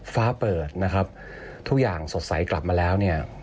ฟ้าเปิดนะครับทุกอย่างสดใสกลับมาแล้วเนี่ย